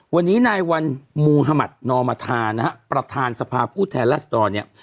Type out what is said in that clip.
วันนี้นายวันมูธมัธนอมธานะฮะประธานสภาผู้แทนรัศดรเนี่ย